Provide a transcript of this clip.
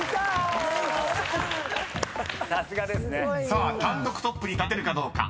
［さあ単独トップに立てるかどうか。